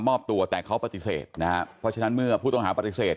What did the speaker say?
มอบตัวแต่เขาปฏิเสธนะฮะเพราะฉะนั้นเมื่อผู้ต้องหาปฏิเสธ